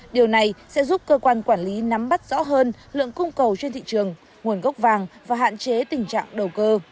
điều này sẽ giúp cơ quan quản lý nắm bắt rõ hơn lượng cung cầu trên thị trường nguồn gốc vàng và hạn chế tình trạng đầu cơ